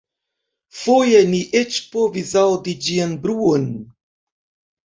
Foje ni eĉ povis aŭdi ĝian bruon.